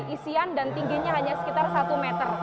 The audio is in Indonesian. isian dan tingginya hanya sekitar satu meter